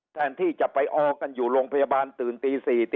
แทนที่จะไปออกันอยู่โรงพยาบาลตื่นตี๔